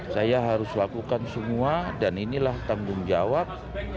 saya harus lakukan semua dan inilah tanggung jawab